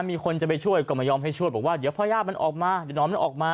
มีคนจะไปช่วยก็ไม่ยอมให้ช่วยบอกว่าเดี๋ยวพอย่ามันออกมาเดี๋ยวน้องมันออกมา